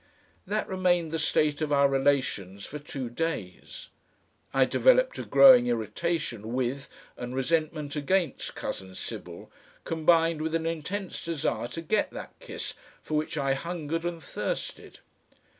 That remained the state of our relations for two days. I developed a growing irritation with and resentment against cousin Sybil, combined with an intense desire to get that kiss for which I hungered and thirsted.